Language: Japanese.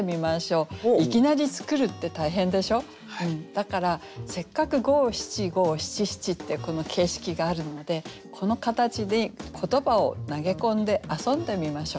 だからせっかく五七五七七ってこの形式があるのでこの形に言葉を投げ込んで遊んでみましょう。